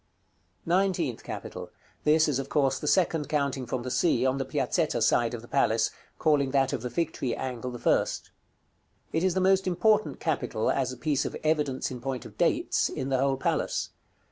§ CXVI. NINETEENTH CAPITAL. This is, of course, the second counting from the Sea, on the Piazzetta side of the palace, calling that of the Fig tree angle the first. It is the most important capital, as a piece of evidence in point of dates, in the whole palace.